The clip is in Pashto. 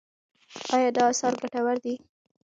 ایا دا اثر ګټور دی؟